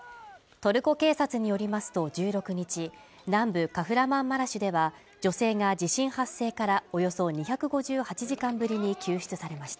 トルコ警察によりますと１６日南部カフラマンマラシュでは女性が地震発生からおよそ２５８時間ぶりに救出されました